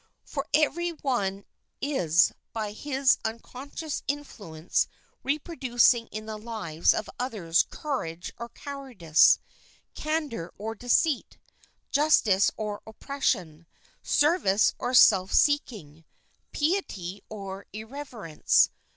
For every one is by his unconscious influence re producing in the lives of others courage or cowardice, candour or deceit, justice or oppres sion, service or self seeking, piety or irreverence.